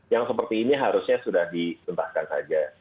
yang seperti ini harusnya sudah dituntaskan saja